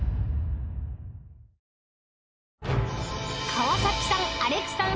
［川崎さんアレクさん